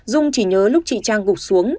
dung chỉ nhớ lúc chị trang gục xuống